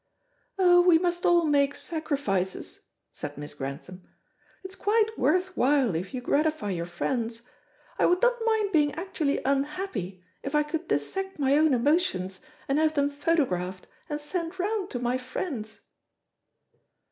"Oh, we must all make sacrifices," said Miss Grantham. "It's quite worth while if you gratify your friends. I would not mind being acutely unhappy, if I could dissect my own emotions, and have them photographed and sent round to my friends."